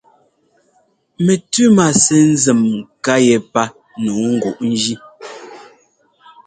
Mɛtʉ́ má sɛ́ nzěm nká yépá nǔu nguʼ njí.